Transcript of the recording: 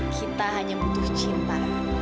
kita hanya butuh cinta